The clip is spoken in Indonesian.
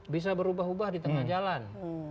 bisa berubah ubah di tengah jalan